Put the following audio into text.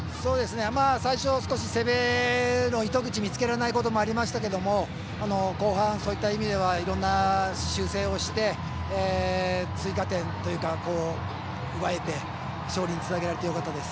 最初、少し攻めの糸口を見つけれないこともありましたけど後半、そういった意味ではいろんな修正をして追加点を奪えて勝利につなげられてよかったです。